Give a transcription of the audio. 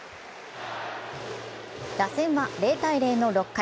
打線は０−０の６回。